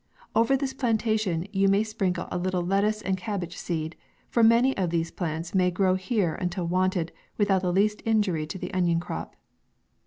Over this plan tation you may sprinkle a little lettuce and cabbage seed, for many of these plants may grow here until wanted, without the least injury to the onion crop.